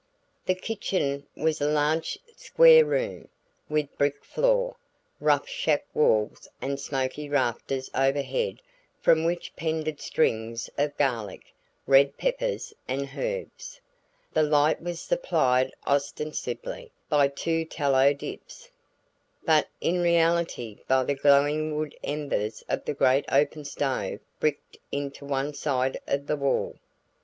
The kitchen was a large square room, with brick floor, rough shack walls and smoky rafters overhead from which pended strings of garlic, red peppers and herbs. The light was supplied ostensibly by two tallow dips, but in reality by the glowing wood embers of the great open stove bricked into one side of the wall.